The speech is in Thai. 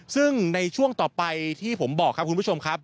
ซึ่งในช่วงต่อไปที่ผมบอกครับคุณผู้ชมครับ